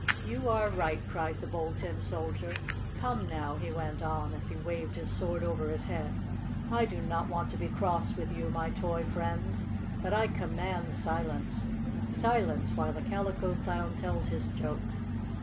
"You are right!" cried the Bold Tin Soldier. "Come now," he went on, as he waved his sword over his head, "I do not want to be cross with you, my toy friends, but I command silence! Silence while the Calico Clown tells his joke!"